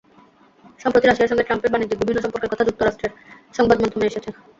সম্প্রতি রাশিয়ার সঙ্গে ট্রাম্পের বাণিজ্যিক বিভিন্ন সম্পর্কের কথা যুক্তরাষ্ট্রের সংবাদমাধ্যমে এসেছে।